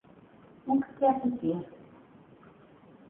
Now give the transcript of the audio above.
O que quer dizer